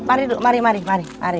mari dulu mari mari mari